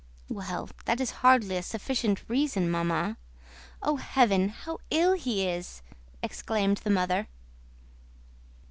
"Well, that is hardly a sufficient reason, Mamma..." "Oh, Heaven! How ill he is!" exclaimed the mother.